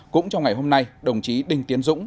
cũng trong ngày hôm nay đồng chí đinh tiến dũng